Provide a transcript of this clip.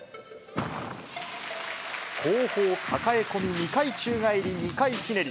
後方抱え込み２回宙返り２回ひねり。